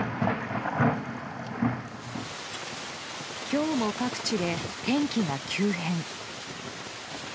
今日も各地で天気が急変。